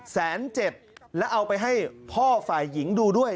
แสนเจ็ดแล้วเอาไปให้พ่อฝ่ายหญิงดูด้วย